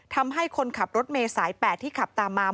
ทำให้คนขับรถเมย์สาย๘ที่ขับตามมา